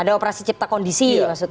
ada operasi cipta kondisi